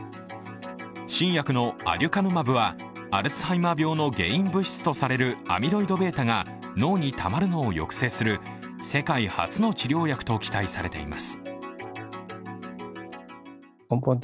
新薬のアデュカヌマブは、アルツハイマー病の原因物質とされるアミロイドβが脳にたまるのを抑制する世界初の治療薬と期待されています。